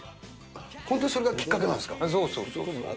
本当にそれがきっかけなんでそうそうそう。